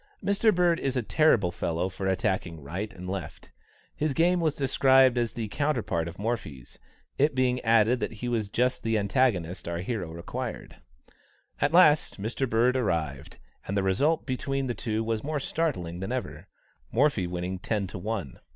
Mr. Bird is a terrible fellow for attacking right and left; his game was described as the counterpart of Morphy's, it being added that he was just the antagonist our hero required. At last, Mr. Bird arrived, and the result between the two was more startling than ever, Morphy winning ten to one.